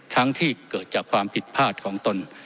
ทั้งที่เกิดจากความผิดพลาดของตน